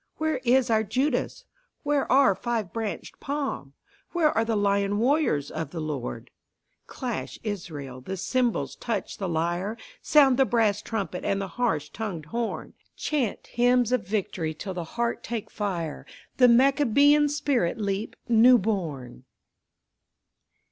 Where is our Judas? Where our five branched palm? Where are the lion warriors of the Lord? Clash, Israel, the cymbals, touch the lyre, Sound the brass trumpet and the harsh tongued horn, Chant hymns of victory till the heart take fire, The Maccabean spirit leap new born!